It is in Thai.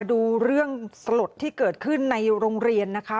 ดูเรื่องสลดที่เกิดขึ้นในโรงเรียนนะคะ